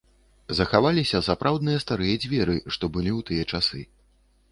Захаваліся сапраўдныя старыя дзверы, што былі ў тыя часы.